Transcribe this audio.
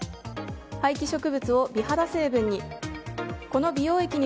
廃棄植物を美肌成分に。